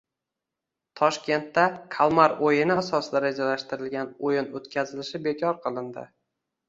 Toshkentda Kalmar o‘yini asosida rejalashtirilgan o‘yin o‘tkazilishi bekor qilindi